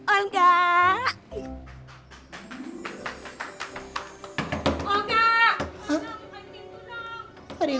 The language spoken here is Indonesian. olga bukain pintu dong